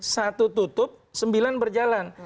satu tutup sembilan berjalan